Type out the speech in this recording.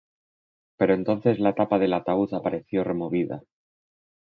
Pero entonces la tapa del ataúd apareció removida.